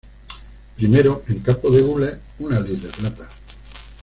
Primero: En campo de gules una lis, de plata.